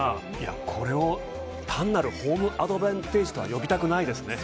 これを単なるホームアドバンテージと呼びたくないですね。